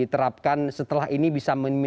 terapkan setelah ini bisa